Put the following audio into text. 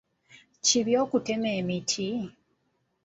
Kibi okutema emiti?